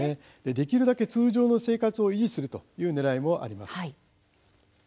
できるだけ通常の生活を維持するというねらいもあります。